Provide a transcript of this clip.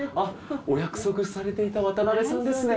お約束されていた渡辺さんですね。